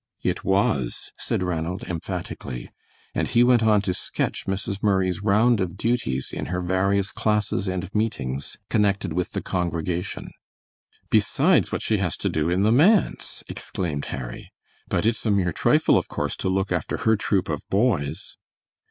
"It was," said Ranald, emphatically; and he went on to sketch Mrs. Murray's round of duties in her various classes and meetings connected with the congregation. "Besides what she has to do in the manse!" exclaimed Harry; "but it's a mere trifle, of course, to look after her troop of boys."